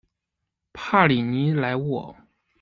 帕里尼莱沃。